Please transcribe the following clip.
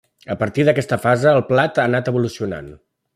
A partir d'aquesta fase el plat ha anat evolucionant.